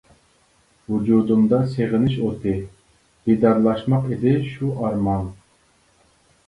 ۋۇجۇدۇمدا سېغىنىش ئوتى، دىدارلاشماق ئىدى شۇ ئارمان.